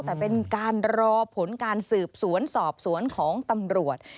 แต่เป็นการรอผลการสืบสวนสอบสวนของตำรวจ